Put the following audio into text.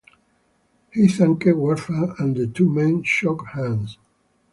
He thanked Warpath and the two men shook hands.